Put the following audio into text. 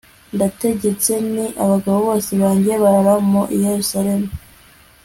ndategetse nti “abagabo bose bajye barara muri yerusalemu